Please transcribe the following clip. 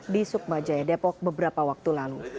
di sukma jaya depok beberapa waktu lalu